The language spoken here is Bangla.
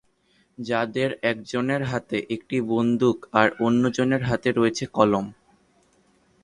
যাদের একজনের হাতে একটি বন্দুক আর অন্য জনের হাতে রয়েছে কলম।